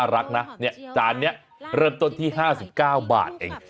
เริ่มต้นที่๕๙บาทเอง